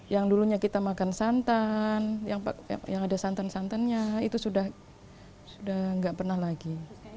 yang dulunya kita makan santan yang ada santan santannya itu sudah nggak pernah lagi